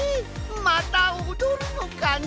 またおどるのかね！？